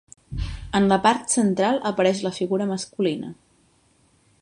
En la part central apareix la figura masculina.